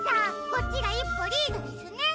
こっちがいっぽリードですね。